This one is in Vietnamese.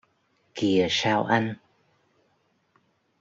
Kìa Sao Anh